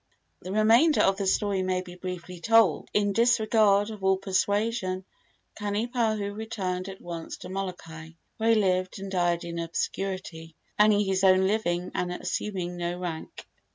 The remainder of the story may be briefly told. In disregard of all persuasion, Kanipahu returned at once to Molokai, where he lived and died in obscurity, earning his own living and assuming no rank.